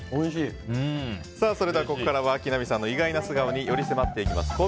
それではここからは木南さんの意外な素顔により迫っていきます